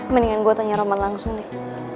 mendingan gue tanya roman langsung deh